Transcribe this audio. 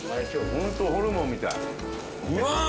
ホントホルモンみたいうまっ！